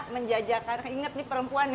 menjajakan ingat nih perempuan nih